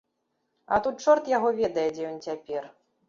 А тут чорт яго ведае, дзе ён цяпер.